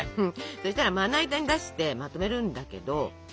そしたらまな板に出してまとめるんだけど。